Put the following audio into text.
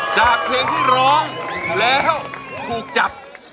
จากเพลงที่ร้องแล้วถูกจับ